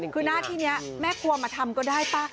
คือหน้าที่นี้แม่ครัวมาทำก็ได้ป่ะ